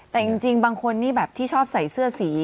แต่จริงบางคนนี่แบบที่ชอบใส่เสื้อสี